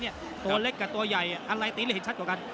ตัวเล็กกับตัวใหญ่อะไรตีได้เห็นชัดกว่ากัน